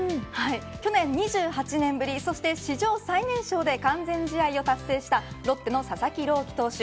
去年２８年ぶりそして、史上最年少で完全試合を達成したロッテの佐々木朗希投手。